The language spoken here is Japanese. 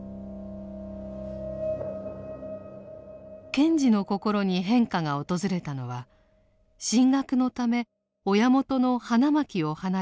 賢治の心に変化が訪れたのは進学のため親元の花巻を離れ